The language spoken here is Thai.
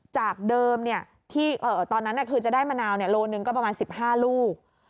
จากเดิมที่ตอนนั้นคือจะได้มะนาวโลหนึ่งก็ประมาณ๑๕ลูก